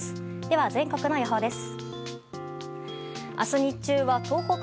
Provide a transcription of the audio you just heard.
では、全国の予報です。